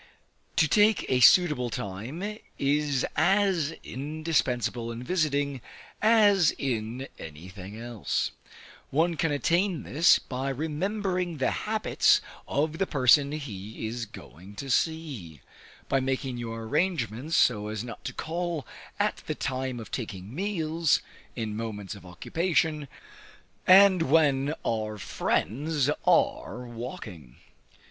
To take a suitable time, is as indispensable in visiting, as in any thing else. One can attain this, by remembering the habits of the person he is going to see; by making your arrangements so as not to call at the time of taking meals, in moments of occupation, and when our friends are walking.